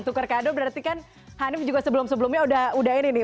tukar kado berarti kan hanif juga sebelum sebelumnya udah ini nih